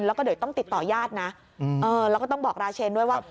แล้วก็เดี๋ยวต้องติดต่อญาตินะแล้วก็ต้องบอกราเชนด้วยว่า